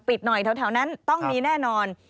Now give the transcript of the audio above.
หน่อยแถวนั้นต้องมีแน่นอน